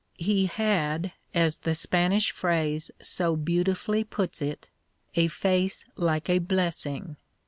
He had, as the Spanish phrase so beautifully puts it, a face like a blessing.